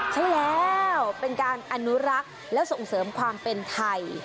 ใช่แล้วเป็นการอนุรักษ์และส่งเสริมความเป็นไทย